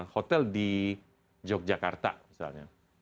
hotel di yogyakarta misalnya